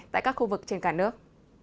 trên cả nước